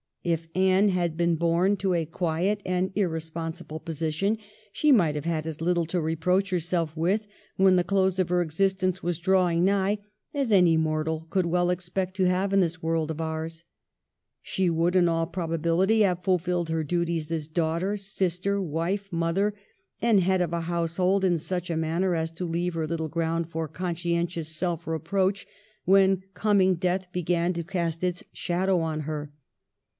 If Anne had been born to a quiet and irresponsible position she might have had as little to reproach herself with, when the close of her existence was drawing nigh, as any mortal could well expect to have in this world of ours. She would in all probability have fulfilled her duties as daughter, sister, wife, mother, and head of a household in such a manner as to leave her little ground for con scientious self reproach when coming death began to cast its shadow on her.